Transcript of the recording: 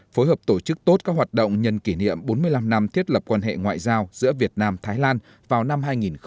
phối hợp tổ chức tốt các hoạt động nhân kỷ niệm bốn mươi năm năm thiết lập quan hệ ngoại giao giữa việt nam thái lan vào năm hai nghìn hai mươi